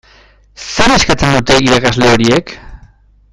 Zer eskatzen dute irakasle horiek?